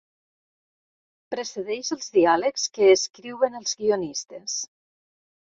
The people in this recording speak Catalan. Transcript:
Precedeix els diàlegs que escriuen els guionistes.